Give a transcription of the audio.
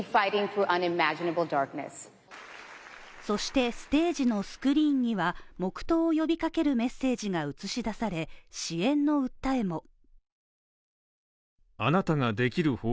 そして、ステージのスクリーンには黙とうを呼びかけるメッセージが映し出され支援の訴えも。